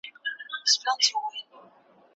د پرمختګ لپاره نوي تکنالوژي خپل هيواد ته راوړئ.